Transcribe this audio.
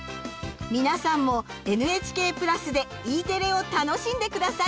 皆さんもＮＨＫ＋でＥテレを楽しんで下さい。